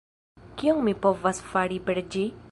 Kion mi povas fari per ĝi?